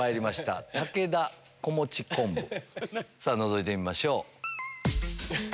さぁのぞいてみましょう。